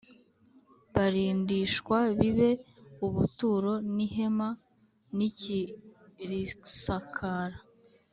barindishwa bibe ubuturo n ihema n ikirisakara